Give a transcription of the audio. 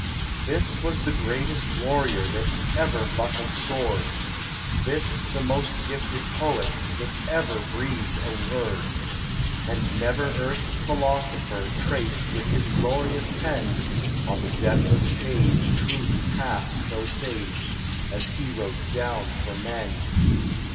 This was the bravest warrior That ever buckled sword; This the most gifted poet That ever breathed a word; And never earth's philosopher Traced with his glorious pen On the deathless page truths half so sage As he wrote down for men.